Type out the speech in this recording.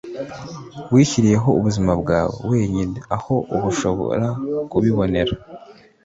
wishyiriyeho ubuzima bwawe wenyine aho ushobora kubibonera